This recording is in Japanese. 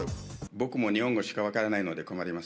僕も日本語しか分からないので困ります。